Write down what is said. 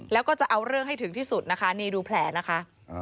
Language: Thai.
แล้วก็จะเอาเรื่องให้ถึงที่สุดนะคะนี่ดูแผลนะคะ